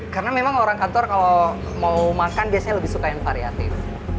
karena memang orang kantor kalau mau makan biasanya lebih suka yang variatif